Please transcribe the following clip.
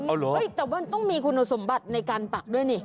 เอาเหรอแต่มันต้องมีคุณสมบัติในการปักด้วยนี่